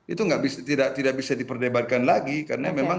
itu tidak bisa diperdebatkan lagi karena memang